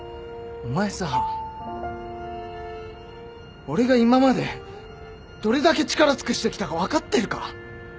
お前さ俺が今までどれだけ力尽くしてきたか分かってるか？